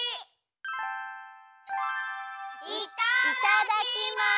いただきます！